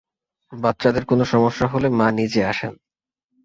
বাচ্চাদের কোনো সমস্যা হলে মা নিজে আসেন।